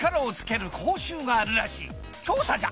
調査じゃ！